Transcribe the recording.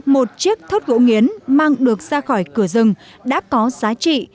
một chiếc thốt gỗ nghiến mang được ra khỏi cửa rừng đã có giá trị